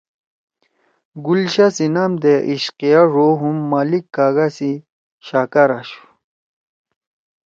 گل شاہ سی نام دے عشقیہ ڙو ہُم مالک کاگا سی شاہکار آشُو۔